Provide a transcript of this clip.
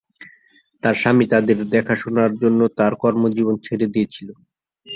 তার স্বামী তাদের দেখাশোনার জন্য তার কর্মজীবন ছেড়ে দিয়েছিল।